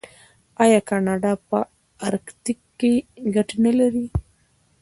آیا کاناډا په ارکټیک کې ګټې نلري؟